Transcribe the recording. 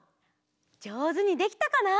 じょうずにできたかな？